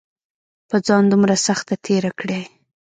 پۀ ځان دومره سخته تېره کړې